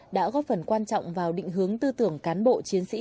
đã góp phần quan trọng vào định hướng tư tưởng cán bộ chiến sĩ